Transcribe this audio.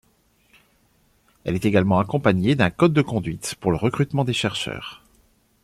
Elle est également accompagnée d'un code de conduite pour le recrutement des chercheurs.